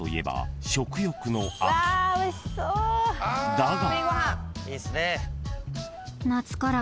［だが］